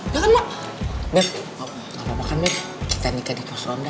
mau kan bebek kita nikah di kos ronda